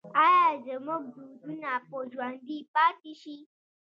آیا زموږ دودونه به ژوندي پاتې شي؟